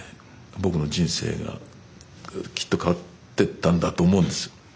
僕の人生がきっと変わってったんだと思うんです。